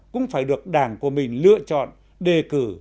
cũng phải được đảng của mình lựa chọn đề cử